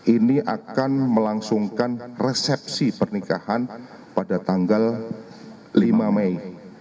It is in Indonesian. ini akan melangsungkan resepsi pernikahan pada tanggal lima mei dua ribu dua puluh empat